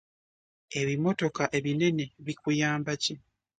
Ebimotoka ebinene bikuyamba ki?